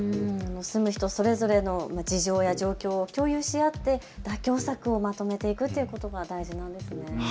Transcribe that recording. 住む人それぞれの事情や状況を共有し合って妥協策をまとめることが大事なんですね。